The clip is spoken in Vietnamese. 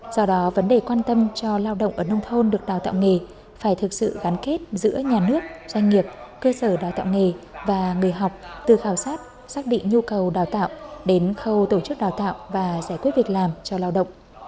do đó vấn đề quan tâm cho lao động ở nông thôn được đào tạo nghề phải thực sự gắn kết giữa nhà nước doanh nghiệp cơ sở đào tạo nghề và người học từ khảo sát xác định nhu cầu đào tạo đến khâu tổ chức đào tạo và giải quyết việc làm cho lao động